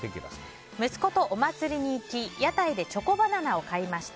息子とお祭りに行き屋台でチョコバナナを買いました。